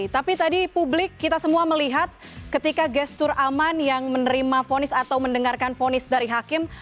tapi tadi publik kita semua melihat ketika gestur aman yang menerima fonis atau mendengarkan fonis dari hakim